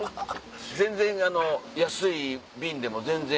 全然あの安い便でも全然。